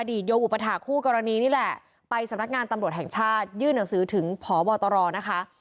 โยอุปถาคู่กรณีนี่แหละไปสำนักงานตำรวจแห่งชาติยื่นหนังสือถึงพบตรนะคะ